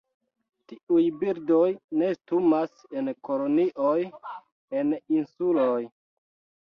Tiuj birdoj nestumas en kolonioj en insuloj.